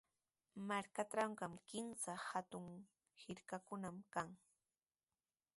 Markaatrawqa kimsa hatun hirkakunami kan.